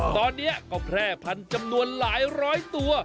ตอนนี้ก็แพร่พันธุ์จำนวนหลายร้อยตัว